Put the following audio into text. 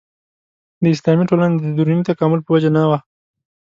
د اسلامي ټولنو د دروني تکامل په وجه نه وه.